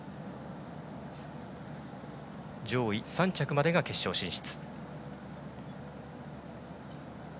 上位３着までが決勝進出。